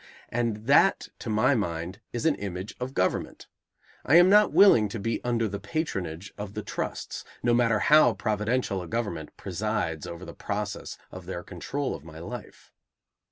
And that to my mind is an image of government. I am not willing to be under the patronage of the trusts, no matter how providential a government presides over the process of their control of my life.